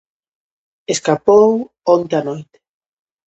Escapou onte á noite.